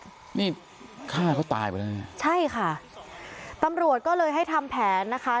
นี่ฆ่าเขาตายไปแล้วเนี่ยใช่ค่ะตำรวจก็เลยให้ทำแผนนะคะ